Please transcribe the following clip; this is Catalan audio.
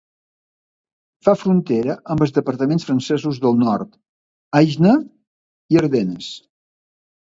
Fa frontera amb els departaments francesos del Nord, Aisne i Ardenes.